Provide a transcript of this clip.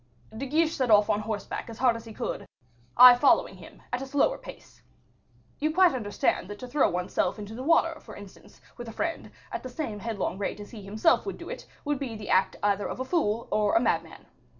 "De Guiche set off on horseback as hard as he could, I following him, at a slower pace. You quite understand that to throw one's self into the water, for instance, with a friend, at the same headlong rate as he himself would do it, would be the act either of a fool or a madman.